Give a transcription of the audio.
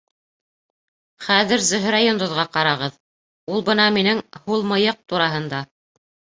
Хәҙер Зөһрә йондоҙға ҡарағыҙ, ул бына минең һул мыйыҡ тураһында.